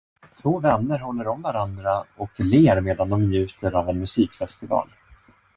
Två vänner håller om varandra och ler medan de njuter av en musikfestival.